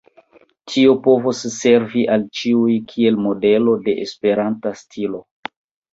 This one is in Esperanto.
Tio povos servi al ĉiuj kiel modelo de esperanta stilo.